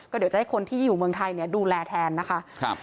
เดี๋ยวจะให้คนที่อยู่เมืองไทยเนี่ยดูแลแทนนะคะ